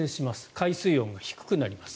海水温が低くなります。